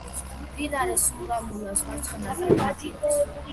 მდინარე სურამულას მარცხენა ნაპირას.